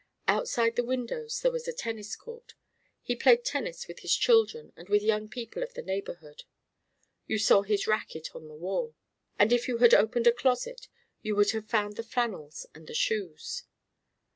Outside the windows there was a tennis court; he played tennis with his children and with young people of the neighborhood. You saw his racquet on the wall; and if you had opened a closet, you would have found the flannels and the shoes.